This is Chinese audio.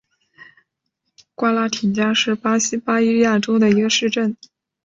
瓜拉廷加是巴西巴伊亚州的一个市镇。